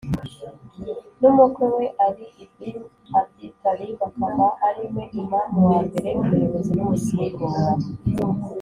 n’umukwe we ʽalī ibn abī ṭālib, akaba ari we imām wa mbere (umuyobozi n’umusimbura),